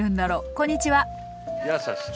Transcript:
こんにちは。